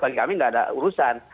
bagi kami tidak ada urusan